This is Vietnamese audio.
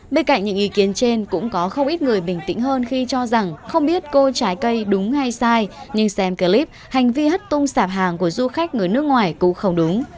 bên cạnh những ý kiến trên cũng có không ít người bình tĩnh hơn khi cho rằng không biết cô trái cây đúng hay sai nhưng xem clip hành vi hất tung sạp hàng của du khách người nước ngoài cũng không đúng